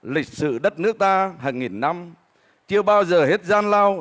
lịch sử đất nước ta hàng nghìn năm chưa bao giờ hết gian lao